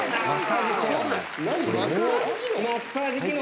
何マッサージ機能？